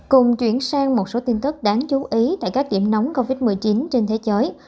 cùng chuyển sang một số tin tức đáng chú ý tại các điểm nóng covid một mươi chín trên thế giới